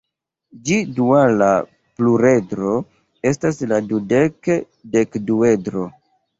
Ĝi duala pluredro estas la dudek-dekduedro.